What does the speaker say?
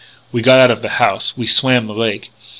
We got out of the house.... We swam the lake....